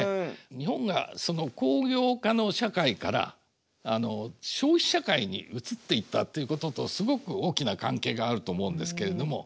日本がその工業化の社会から消費社会に移っていったということとすごく大きな関係があると思うんですけれども。